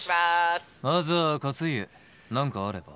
まずは勝家何かあれば。